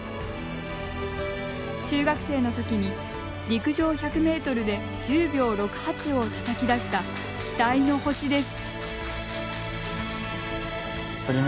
中学生のときに陸上１００ｍで１０秒６８をたたき出した期待の星です。